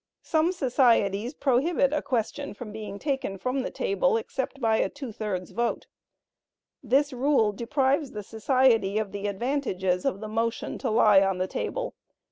Some societies prohibit a question from being taken from the table, except by a two thirds vote. This rule deprives the society of the advantages of the motion to "lie on the table."